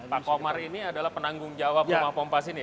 pak komar ini adalah penanggung jawab rumah pompa sini